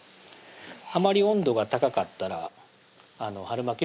あまり温度が高かったら春巻きの皮だけがね